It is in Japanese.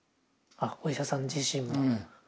あお医者さん自身が。